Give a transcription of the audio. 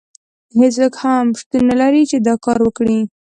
هیڅوک هم شتون نه لري چې دا کار وکړي.